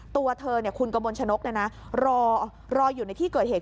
ตัวเธอคุณกระมวลชนกรออยู่ในที่เกิดเหตุ